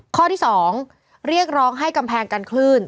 ข้อที่๒เรียกร้องให้กำแพงกันคลื่น